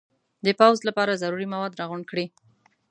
د پوځ لپاره ضروري مواد را غونډ کړي.